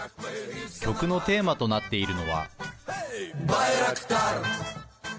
曲のテーマとなっているのは。